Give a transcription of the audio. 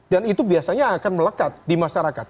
dan itu biasanya akan melekat di masyarakat